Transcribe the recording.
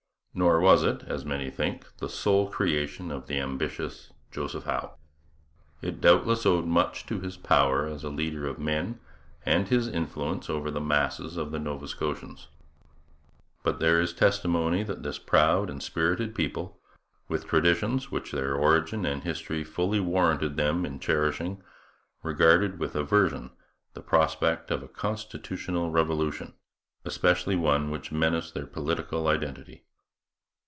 Nor was it, as many think, the sole creation of the ambitious Joseph Howe. It doubtless owed much to his power as a leader of men and his influence over the masses of the Nova Scotians. But there is testimony that this proud and spirited people, with traditions which their origin and history fully warranted them in cherishing, regarded with aversion the prospect of a constitutional revolution, especially one which menaced their political identity.